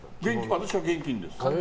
私は現金です。